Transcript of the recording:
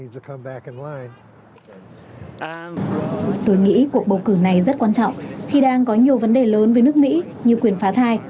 tôi nghĩ cuộc bầu cử này rất quan trọng khi đang có nhiều vấn đề lớn với nước mỹ như quyền phá thai